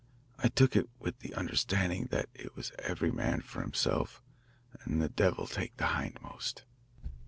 I took it with the understanding that it was every man for himself and the devil take the hindmost."